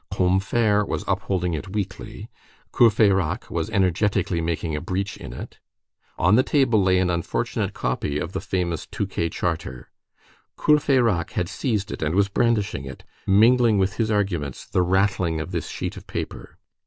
Combeferre was upholding it weakly. Courfeyrac was energetically making a breach in it. On the table lay an unfortunate copy of the famous Touquet Charter. Courfeyrac had seized it, and was brandishing it, mingling with his arguments the rattling of this sheet of paper.